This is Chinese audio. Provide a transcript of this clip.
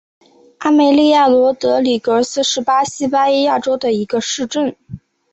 阿梅利娅罗德里格斯是巴西巴伊亚州的一个市镇。